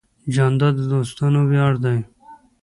جانداد د دوستانو ویاړ دی.